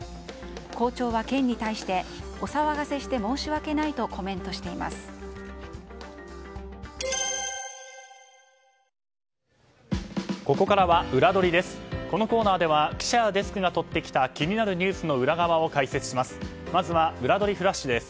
校長は県に対してお騒がせして申し訳ないとコメントしています。